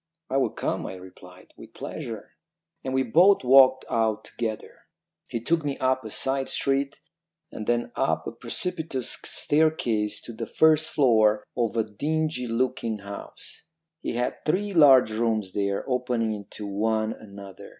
"'I will come,' I replied, 'with pleasure.' "And we both walked out together. He took me up a side street, and then up a precipitous staircase to the first floor of a dingy looking house. He had three large rooms there, opening into one another.